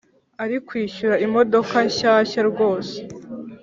arikwishyura imodoka nshyashya rwose